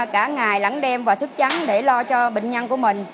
cả ngày lẫn đêm và thức trắng để lo cho bệnh nhân của mình